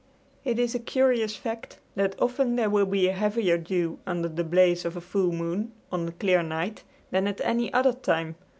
It is a curious fact that often there will be a heavier dew under the blaze of a full moon on a clear night than at any other time.